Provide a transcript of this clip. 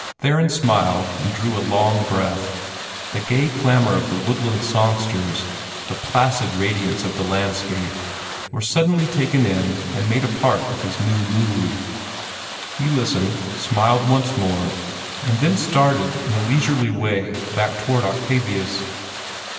Theron smiled, and drew a long breath. The gay clamor of the woodland songsters, the placid radiance of the landscape, were suddenly taken in and made a part of his new mood. He listened, smiled once more, and then started in a leisurely way back toward Octavius.